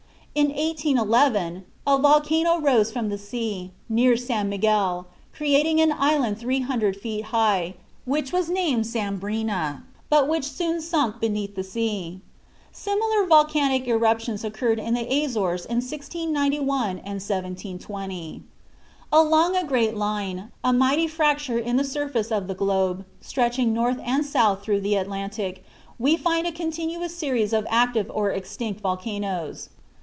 In 1811 a volcano rose from the sea, near San Miguel, creating an island 300 feet high, which was named Sambrina, but which soon sunk beneath the sea. Similar volcanic eruptions occurred in the Azores in 1691 and 1720. Along a great line, a mighty fracture in the surface of the globe, stretching north and south through the Atlantic, we find a continuous series of active or extinct volcanoes.